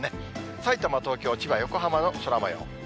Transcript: さいたま、東京、千葉、横浜の空もよう。